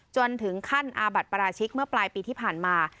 จนถึงขั้นอาบัติปราชิกเมื่อปลายปีที่ผ่านมา